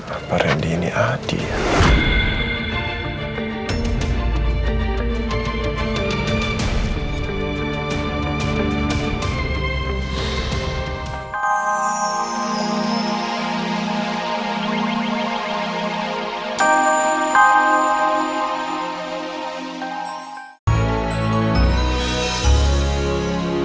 apa randy ini adi ya